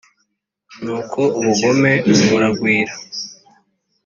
Nuko ubugome buragwira